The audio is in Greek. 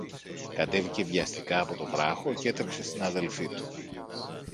Κατέβηκε βιαστικά από το βράχο κι έτρεξε στην αδελφή του.